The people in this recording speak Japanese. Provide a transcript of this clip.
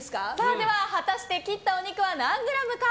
では、果たして切ったお肉は何グラムか。